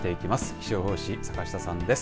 気象予報士、坂下さんです。